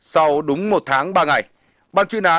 sau đúng một tháng ba ngày